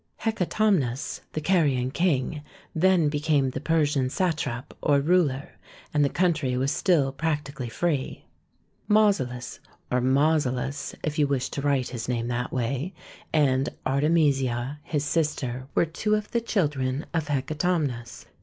Hecatomnus, the Carian King, then became the Persian satrap or ruler, and the country was still practically free. THE TOMB OF KING MAU SOLUS 131 Mausolus, or Maussollus, if you wish to write his name that way, and Artemisia his sister, were two of the children of Hecatomnus.